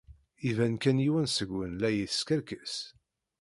Iban kan yiwen seg-wen la yeskerkis.